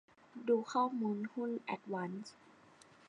ดูข้อมูลหุ้นแอดวานซ์